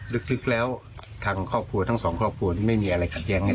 ลึกแล้วทางครอบครัวทั้งสองครอบครัวนี้ไม่มีอะไรขัดแย้งกัน